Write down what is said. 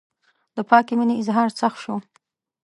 د پاکې مینې اظهار سخت شو.